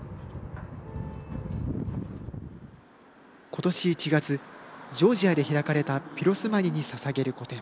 ことし１月ジョージアで開かれたピロスマニにささげる個展。